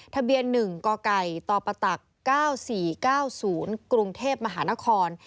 ทะเบียน๑กกตปต๙๔๙๐กรุงเทพมหานคร